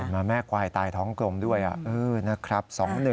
เห็นมาแม่กวายตายท้องกลมด้วยเออนะครับ